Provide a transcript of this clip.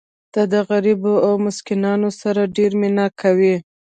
ته د غریبو او مسکینانو سره ډېره مینه کوې.